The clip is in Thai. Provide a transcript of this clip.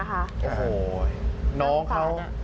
โอ้โหน้องเขา